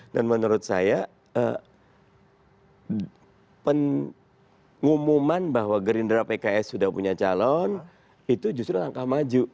dan menurut saya pengumuman bahwa gerindra pks sudah punya calon itu justru langkah maju